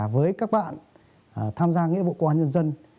với các bạn tham gia nghĩa vụ công an nhân dân